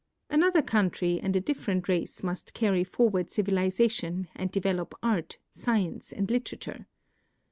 Another country and a different race must carry forward civilization and develop art, science, and literature.